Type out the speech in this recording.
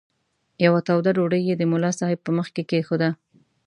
یوه توده ډوډۍ یې د ملا صاحب په مخ کې کښېښوده.